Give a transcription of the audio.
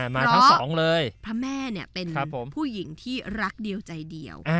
เพราะพระแม่เนี่ยเป็นผู้หญิงที่รักเดียวใจเดียว